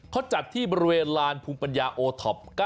เขาจัดที่บริเวณลานภูมิปัญญาโอท็อป๙